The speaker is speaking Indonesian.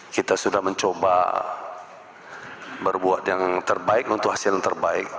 kita sudah mencoba berbuat yang terbaik untuk hasil yang terbaik